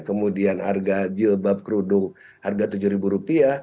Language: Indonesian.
kemudian harga jilbab kerudung rp tujuh